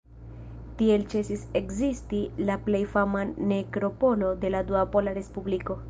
Tiel ĉesis ekzisti la plej fama nekropolo de la Dua Pola Respubliko.